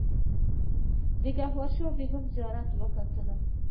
د ګوهر شاد بیګم زیارت وکتل.